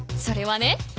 それはね